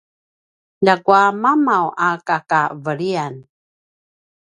ljakua mamav a kakaveliyan